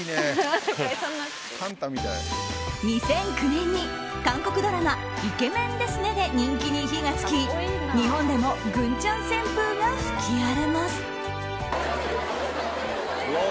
２００９年に韓国ドラマ「美男ですね」で人気に火が付き日本でもグンちゃん旋風が吹き荒れます。